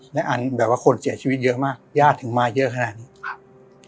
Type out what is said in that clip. และอันแบบว่าคนเสียชีวิตเยอะมากญาติถึงมาเยอะขนาดนี้ครับ